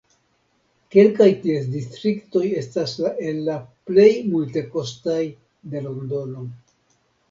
Kelkaj ties distriktoj estas el la plej multekostaj de Londono.